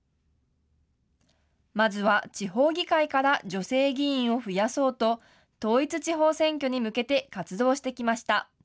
まずは地方議会から女性議員を増やそうと、統一地方選挙に向けて活動してきました。